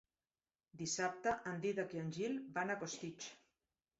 Dissabte en Dídac i en Gil van a Costitx.